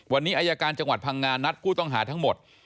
วันนี้อายการจังหวัดพังงานัดผู้ต้องหาทั้งหมด